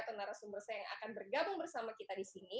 dan resumersa yang akan bergabung bersama kita disini